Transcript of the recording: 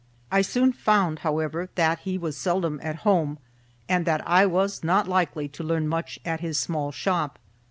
I soon found, however, that he was seldom at home and that I was not likely to learn much at his small shop.